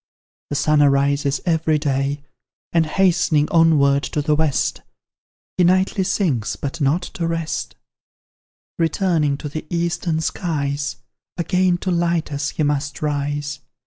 The sun arises every day, And hastening onward to the West, He nightly sinks, but not to rest: Returning to the eastern skies, Again to light us, he must rise.